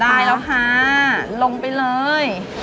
ได้แล้วค่ะลงไปเลย